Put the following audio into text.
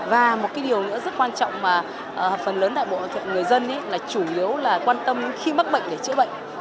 và một cái điều nữa rất quan trọng mà phần lớn đại bộ người dân là chủ yếu là quan tâm khi mắc bệnh để chữa bệnh